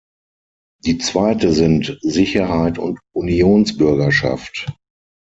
Die zweite sind Sicherheit und Unionsbürgerschaft.